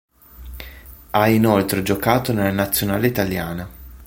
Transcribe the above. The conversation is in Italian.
Ha inoltre giocato nella nazionale italiana.